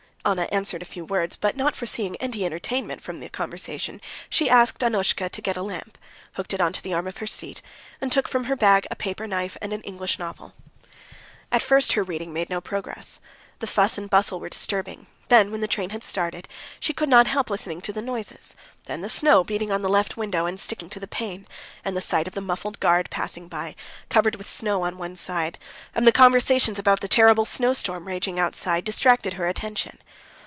Anna answered a few words, but not foreseeing any entertainment from the conversation, she asked Annushka to get a lamp, hooked it onto the arm of her seat, and took from her bag a paper knife and an English novel. At first her reading made no progress. The fuss and bustle were disturbing; then when the train had started, she could not help listening to the noises; then the snow beating on the left window and sticking to the pane, and the sight of the muffled guard passing by, covered with snow on one side, and the conversations about the terrible snowstorm raging outside, distracted her attention.